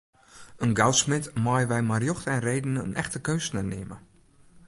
In goudsmid meie wy mei rjocht en reden in echte keunstner neame.